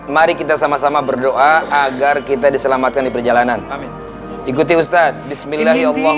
mari kita sama sama berdoa agar kita diselamatkan di perjalanan ikuti ustadz